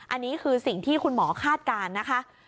อันนี้คือสิ่งที่คุณหมอคาดการณ์นะคะ